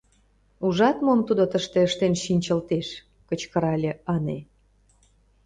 — Ужат, мом тудо тыште ыштен шинчылтеш! — кычкырале Анэ.